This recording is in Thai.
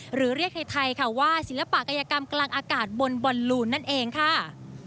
หรือเรียกไทยค่ะว่าศิลปัยกรรมกลางอากาศบนบอลลูนนั่นเองค่ะ